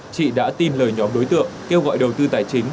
chị đã tin lời nhóm đối tượng kêu gọi đầu tư tài chính